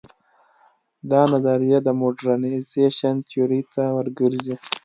دا نظریه د موډرنیزېشن تیورۍ ته ور ګرځي.